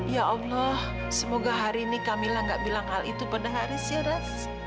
ya allah semoga hari ini kamila nggak bilang hal itu pada haris ya ras